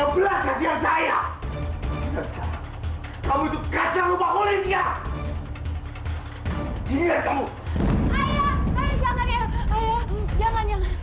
papi jangan emosi dong